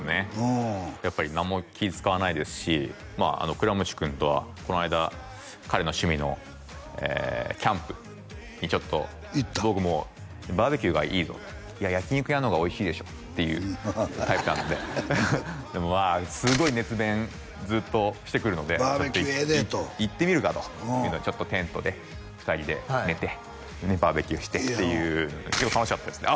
倉持君とはこの間彼の趣味のキャンプにちょっと僕もバーベキューがいいぞって焼き肉屋の方がおいしいでしょっていうタイプなのででもまあすごい熱弁ずっとしてくるので「バーベキューええで」と行ってみるかというのでちょっとテントで２人で寝てバーベキューしてっていうので結構楽しかったですね